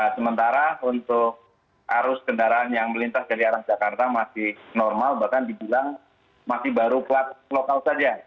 sementara untuk arus kendaraan yang melintas dari arah jakarta masih normal bahkan dibilang masih baru plat lokal saja